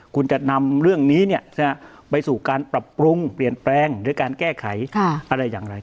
คุณจะนำเรื่องนี้ไปสู่การปรับปรุงเปลี่ยนแปลงหรือการแก้ไขอะไรอย่างไร